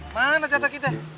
mana jatah kita